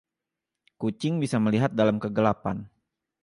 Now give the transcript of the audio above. Kucing bisa melihat dalam kegelapan.